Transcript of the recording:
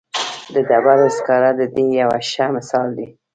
د ډبرو سکاره د دې یو ښه مثال دی.